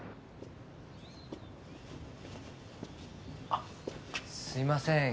あっすいません。